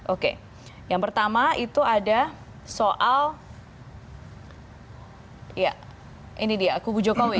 oke yang pertama itu ada soal ya ini dia kubu jokowi